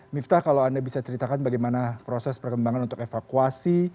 miftah kalau anda bisa ceritakan bagaimana proses perkembangan untuk evakuasi